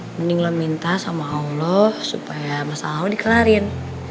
mending lo minta sama allah supaya masa lo dikelarin